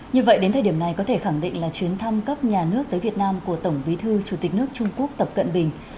như vậy đến thời điểm này có thể khẳng định là chuyến thăm cấp nhà nước tới việt nam của tổng bí thư chủ tịch nước trung quốc tập cận bình